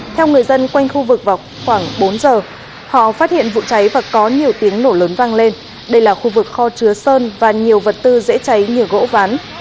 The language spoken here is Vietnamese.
theo người dân quanh khu vực vào khoảng bốn giờ họ phát hiện vụ cháy và có nhiều tiếng nổ lớn vang lên đây là khu vực kho chứa sơn và nhiều vật tư dễ cháy như gỗ ván